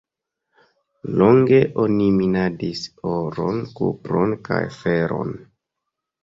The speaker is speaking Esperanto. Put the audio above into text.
Longe oni minadis oron, kupron kaj feron.